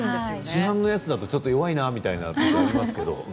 市販のやつだと弱いなみたいなものがありますけど。